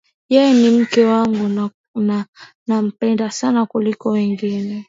Yeye ni mke wangu na nampenda sana kuliko wengine